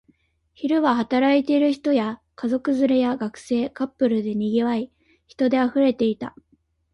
昼は働いている人や、家族連れや学生、カップルで賑わい、人で溢れていた